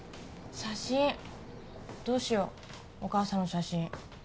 写真どうしようお母さんの写真